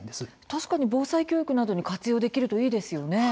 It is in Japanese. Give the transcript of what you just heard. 確かに防災教育などに活用できるといいですよね。